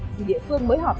thì địa phương mới họp